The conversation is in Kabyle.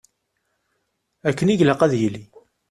Akken i ilaq ad yili.